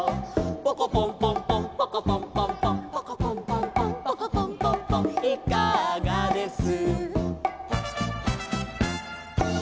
「ポコポンポンポンポコポンポンポン」「ポコポンポンポンポコポンポンポン」「いかがです」